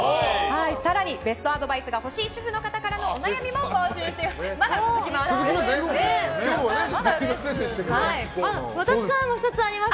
更にベストアドバイスが欲しい主婦の方からのお悩みを募集しております。